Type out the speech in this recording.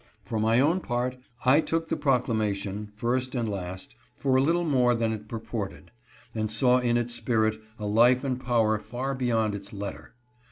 For my own part, I took the proclamation, first and last, for a little more than it pur ported, and saw in its spirit a life and power far beyond its letter.